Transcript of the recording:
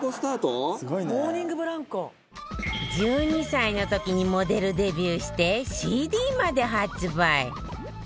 １２歳の時にモデルデビューしてＣＤまで発売。